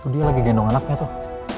dia lagi gendong anaknya tuh